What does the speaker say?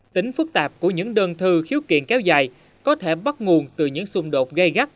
tính phức tạp của những đơn thư khiếu kiện kéo dài có thể bắt nguồn từ những xung đột gây gắt